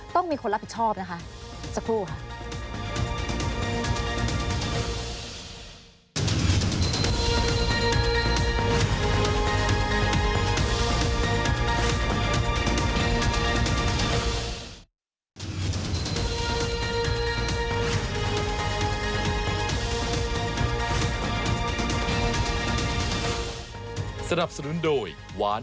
ต้องมีคนรับผิดชอบนะคะสักครู่ค่ะ